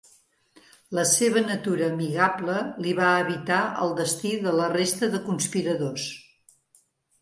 La seva natura amigable li va evitar el destí de la resta de conspiradors.